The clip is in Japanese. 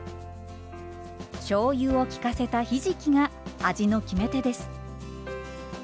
しょうゆを効かせたひじきが味の決め手です。